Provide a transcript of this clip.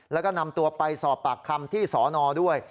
แล้วก็นำตัวไปสอบปากคำที่สอนอด้วย